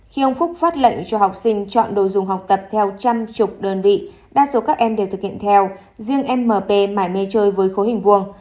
khi ông phúc phát lệnh cho học sinh chọn đồ dùng học tập theo trăm chục đơn vị đa số các em đều thực hiện theo riêng mp mài mê chơi với khối hình vuông